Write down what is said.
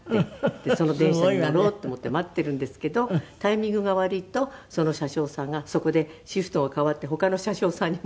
でその電車に乗ろうと思って待っているんですけどタイミングが悪いとその車掌さんがそこでシフトが変わって他の車掌さんになっちゃう。